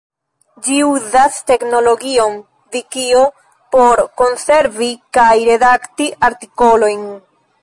Ĝi uzas teknologion vikio por konservi kaj redakti artikolojn.